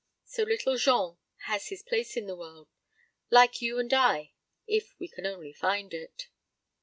So Little Jean has his place in the world like you and I if we can only find it....